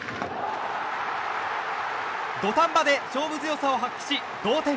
土壇場で勝負強さを発揮し同点。